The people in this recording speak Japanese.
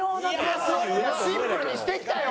シンプルにしてきたよ！